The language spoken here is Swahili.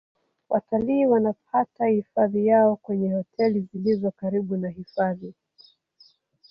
watalii wanapata hifadhi yao kwenye hoteli zilizo karibu na hifadhi